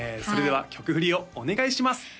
それでは曲振りをお願いします